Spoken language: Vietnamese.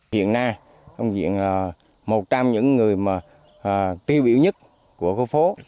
hiện nay ông diện là một trong những người tiêu biểu nhất của khu phố